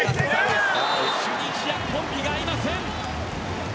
チュニジアコンビが合いません。